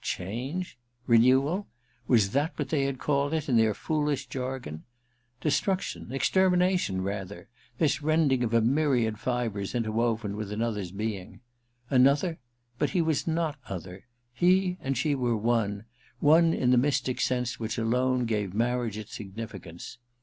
Change ? Renewal ? Was that what they had called it, in their foolish jargon ? Destruction, extermination rather — this rending of a myriad fibres interwoven with another's being ! Another ? But he was not other ! He and she were one, one in the mystic sense which alone gave marriage its significance.